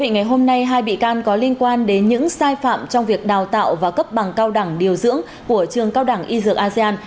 ngày hôm nay hai bị can có liên quan đến những sai phạm trong việc đào tạo và cấp bằng cao đẳng điều dưỡng của trường cao đẳng y dược asean